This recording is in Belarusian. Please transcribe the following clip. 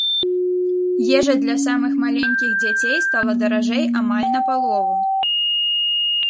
Ежа для самых маленькіх дзяцей стала даражэй амаль на палову.